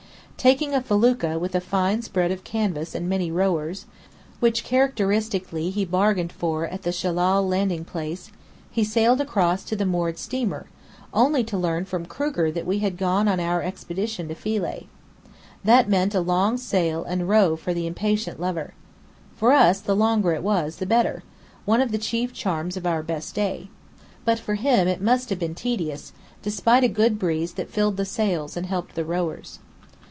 Taking a felucca with a fine spread of canvas and many rowers, which (characteristically) he bargained for at the Shellal landing place, he sailed across to the moored steamer, only to learn from Kruger that we had gone on our expedition to Philae. That meant a long sail and row for the impatient lover. For us, the longer it was, the better: one of the chief charms of our best day. But for him it must have been tedious, despite a good breeze that filled the sails and helped the rowers.